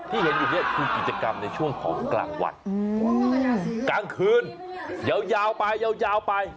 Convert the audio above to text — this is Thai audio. เห็นอยู่นี่คือกิจกรรมในช่วงของกลางวันกลางคืนยาวไปยาวไป